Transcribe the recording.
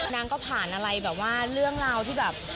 นางก็ผ่านอะไรแบบว่าเรื่องราวที่แบบ